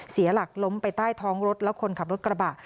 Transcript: เสียหลักล้มไปใต้ท้องรถแล้วคนขับรถกระบะ